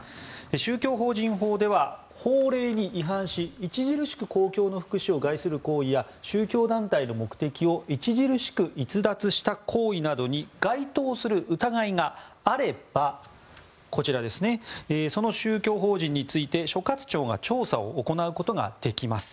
宗教法人法では、法令に違反し著しく公共の福祉を害する行為や宗教団体の目的を著しく逸脱した行為などに該当する疑いがあればその宗教法人について所轄庁が調査を行うことができます。